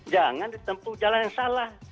jangan ditempuh jalan yang salah